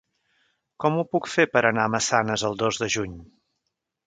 Com ho puc fer per anar a Massanes el dos de juny?